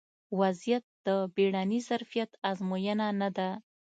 ا وضعیت د بیړني ظرفیت ازموینه نه ده